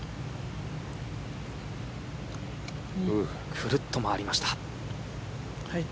くるっと回りました。